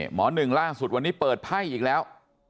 หนึ่งล่าสุดวันนี้เปิดไพ่อีกแล้ว